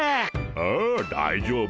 ああ大丈夫。